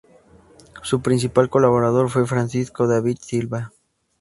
Su principal colaborador fue Francisco David Silva.